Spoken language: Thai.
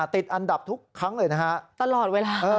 ติดอันดับทุกครั้งเลยนะครับ